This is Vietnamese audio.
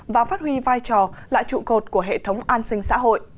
và phát huy vai trò là trụ cột của hệ thống an sinh xã hội